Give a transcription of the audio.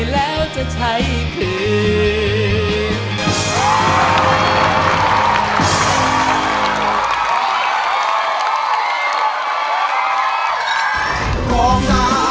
แล้วจะใช้คืน